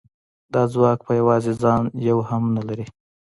دا ځواک په یوازې ځان یو هم نه لري